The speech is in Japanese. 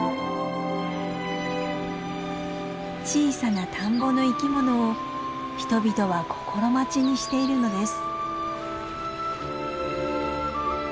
小さな田んぼの生き物を人々は心待ちにしているのです。